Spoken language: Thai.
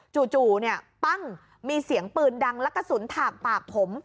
จู่เนี่ยปั้งมีเสียงปืนดังและกระสุนถากปากผม